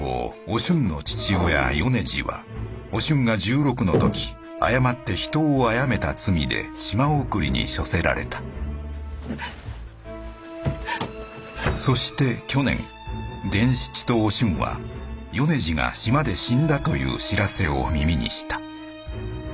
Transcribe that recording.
お俊の父親米次はお俊が１６の時誤って人を殺めた罪で島送りに処せられたそして去年伝七とお俊は米次が島で死んだという知らせを耳にした。